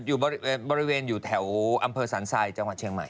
นี่ก็บริเวณอยู่แถวอำเภอศาลไซด์จังหวัดเชียงใหม่